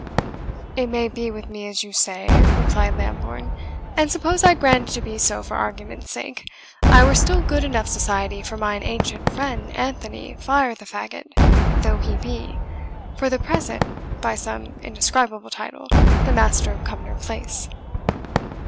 "It may be with me as you say," replied Lambourne; "and suppose I grant it to be so for argument's sake, I were still good enough society for mine ancient friend Anthony Fire the Fagot, though he be, for the present, by some indescribable title, the master of Cumnor Place."